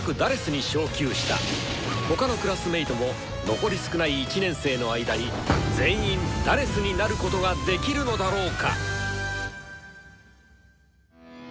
他のクラスメートも残り少ない１年生の間に全員「４」になることができるのだろうか？